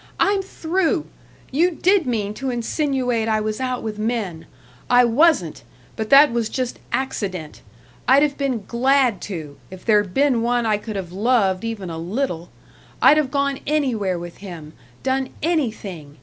I'm through. You did mean to insinuate I was out with men. I wasn't but that was just accident. I'd have been glad to, if there'd been one I could have loved even a little. I'd have gone anywhere with him done anything!